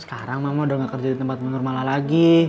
sekarang mamo udah ga kerja di tempat normal lagi